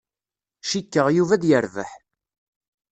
Cikkeɣ Yuba ad yerbeḥ.